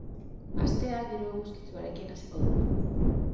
Astea giro eguzkitsuarekin hasiko dugu.